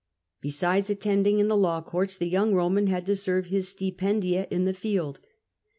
Besides attending in the law courts, the young Roman had to serve his stipendia in the field.